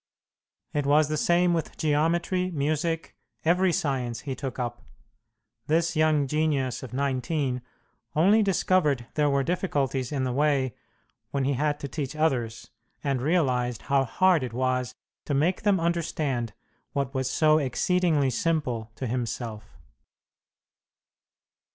It was the same with geometry, music, every science he took up. This young genius of nineteen only discovered there were difficulties in the way when he had to teach others, and realized how hard it was to make them understand what was so exceedingly simple to himself.